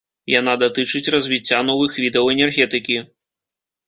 Яна датычыць развіцця новых відаў энергетыкі.